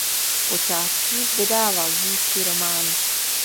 V počátcích vydával dívčí romány.